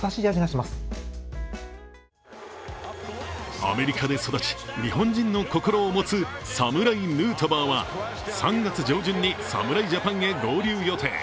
アメリカで育ち、日本人の心を持つ侍・ヌートバーは３月上旬に侍ジャパンへ合流予定。